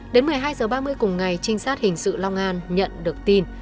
đến một mươi hai h ba mươi cùng ngày trinh sát hình sự long an nhận được tin